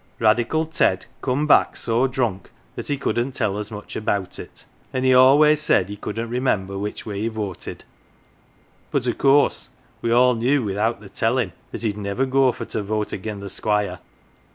Radical Ted come back so drunk that he couldn't tell us much about it, and he always said he couldn't remember which way he voted, but of course we all knew without the tellin' that he'd never go for to vote again the Squire.